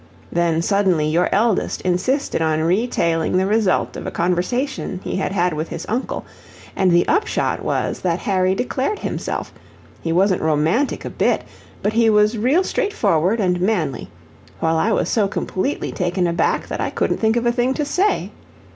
Then suddenly your eldest insisted on retailing the result of a conversation he had had with his uncle, and the upshot was that Harry declared himself; he wasn't romantic a bit, but he was real straightforward and manly, while I was so completely taken aback that I couldn't think of a thing to say.